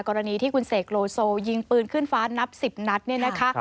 กรณีที่คุณเสกโลโซยิงปืนขึ้นฟ้านับ๑๐นัดเนี่ยนะคะ